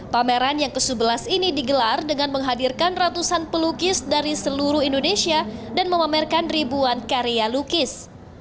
pameran yang ke sebelas ini digelar dengan menghadirkan ratusan pelukis dari seluruh indonesia dan memamerkan ribuan karya lukis